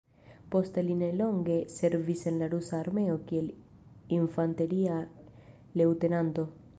Poste li nelonge servis en la Rusa armeo kiel infanteria leŭtenanto.